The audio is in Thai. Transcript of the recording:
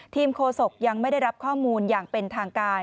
โฆษกยังไม่ได้รับข้อมูลอย่างเป็นทางการ